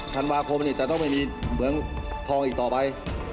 ธันวาคมจะต้องไม่มีเหมืองทองอีกต่อไป